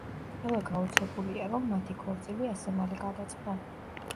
ყველა გაოცებულია, რომ მათი ქორწილი ასე მალე გადაწყდა.